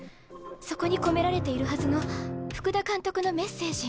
そこに込められているはずの福田監督のメッセージ。